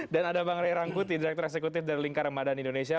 dan ada bang ray rangkuti direktur eksekutif dari lingkar ramadan indonesia